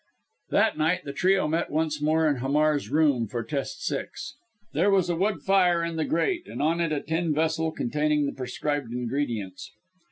That night the trio met once more in Hamar's room for test six. There was a wood fire in the grate, and on it a tin vessel containing the prescribed ingredients.